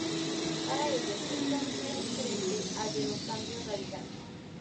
Para ellos el camino era diferente al de los cambios radicales.